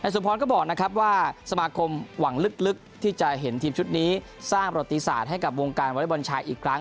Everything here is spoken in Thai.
สุพรก็บอกนะครับว่าสมาคมหวังลึกที่จะเห็นทีมชุดนี้สร้างประติศาสตร์ให้กับวงการวอเล็กบอลชายอีกครั้ง